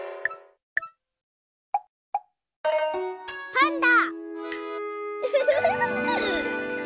パンダ！